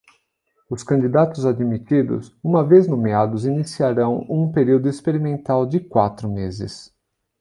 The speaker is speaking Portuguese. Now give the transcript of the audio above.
Os candidatos admitidos, uma vez nomeados, iniciarão um período experimental de quatro meses.